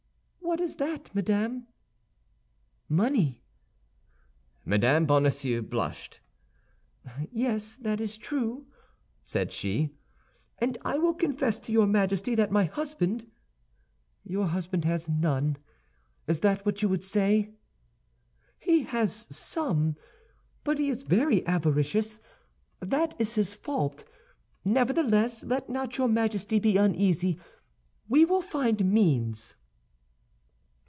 "What is that, madame?" "Money." Mme. Bonacieux blushed. "Yes, that is true," said she, "and I will confess to your Majesty that my husband—" "Your husband has none. Is that what you would say?" "He has some, but he is very avaricious; that is his fault. Nevertheless, let not your Majesty be uneasy, we will find means."